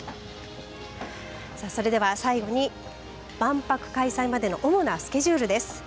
それでは最後に万博開催までの主なスケジュールです。